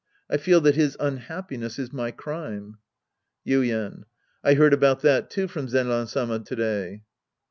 I feel that his unhappiness is my crime. Yiiien. I heard about that, too, from Zenran Sama to day.